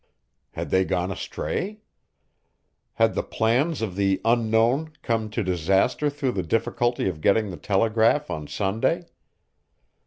Had they gone astray? Had the plans of the Unknown come to disaster through the difficulty of getting the telegraph on Sunday?